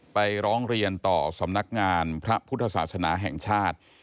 ไปร้องเรียนต่อสำนักงานพระพุทธศาสนาแห่งชาติ